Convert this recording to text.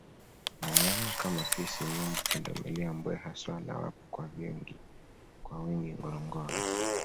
wanyama kama fisi nyumbu pundamilia mbweha swala wapo kwa wingi ngorongoro